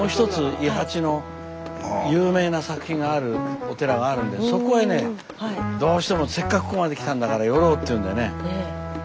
伊八の有名な作品があるお寺があるんでそこへねどうしてもせっかくここまで来たんだから寄ろうっていうんでね。